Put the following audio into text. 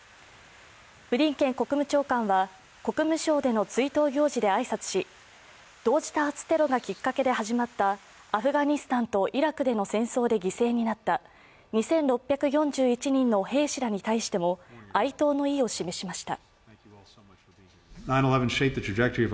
ブリンケン国務長官は国務省での追悼行事で挨拶し同時多発テロがきっかけで始まったアフガニスタンとイラクでの戦争で犠牲になった２６４１人の兵士らに対しても哀悼の意を示しました。